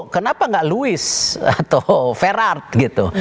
kenapa enggak louis atau ferart gitu